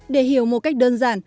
để hiểu một cách đơn giản